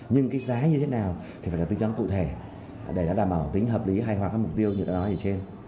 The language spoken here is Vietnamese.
nhưng cái giá như thế nào thì phải là tính cho nó cụ thể để nó đảm bảo tính hợp lý hay hoạt hợp mục tiêu như đã nói ở trên